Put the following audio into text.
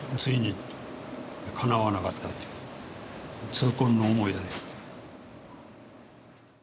痛恨の思いだよ。